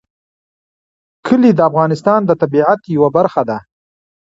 کلي د افغانستان د طبیعت یوه برخه ده.